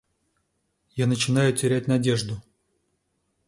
Я начинаю терять надежду.